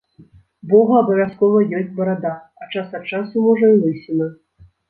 Бога абавязкова ёсць барада, а час ад часу, можа, і лысіна.